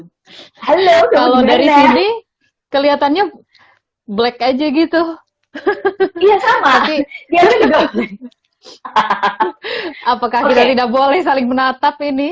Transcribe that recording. halo kalau dari sini kelihatannya black aja gitu iya sama apakah kita tidak boleh saling menatap ini